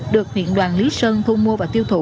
được huyện đoàn lý sơn thu mua và tiêu thụ